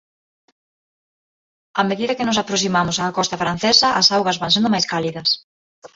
A medida que nos aproximamos á costa francesa as augas van sendo máis cálidas.